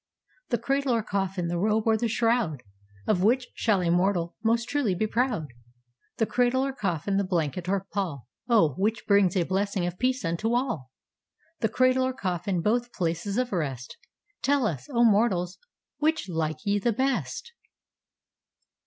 The Cradle or Coffin, the robe or the shroud, Of which shall a mortal most truly be proud? The Cradle or Coffin, the blanket or pall, O, which brings a blessing of peace unto all? The Cradle or Coffin, both places of rest Tell us, O mortals, which like ye the best?